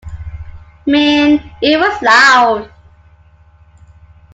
Man, it was loud.